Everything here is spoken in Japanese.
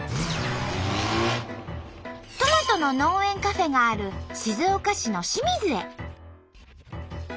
トマトの農園カフェがある静岡市の清水へ。